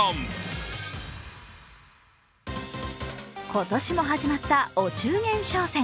今年も始まったお中元商戦。